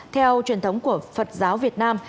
theo truyền thống của phật giáo việt nam